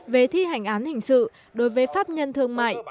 về thi hành án hình sự đối với pháp nhân thương mại